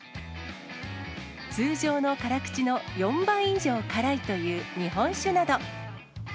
通常の辛口の４倍以上辛いという日本酒など。